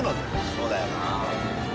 そうだよな。